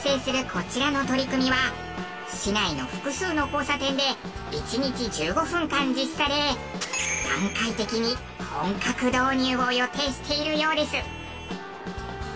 こちらの取り組みは市内の複数の交差点で１日１５分間実施され段階的に本格導入を予定しているようです。